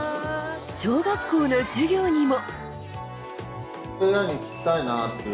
小学校の授業にも。